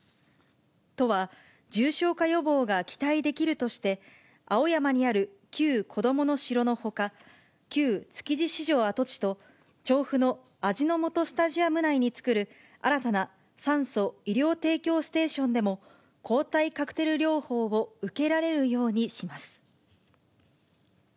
都は、重症化予防が期待できるとして、青山にある旧こどもの城のほか、旧築地市場跡地と、調布の味の素スタジアム内に作る、新たな酸素・医療提供ステーションでも、抗体カクテル療法を受けられるようにします。